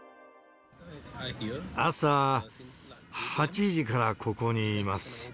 朝８時からここにいます。